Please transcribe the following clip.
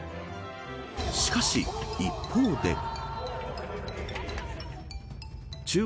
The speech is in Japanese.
しかし、一方で。